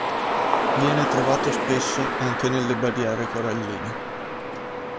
Viene trovato spesso anche nelle barriere coralline.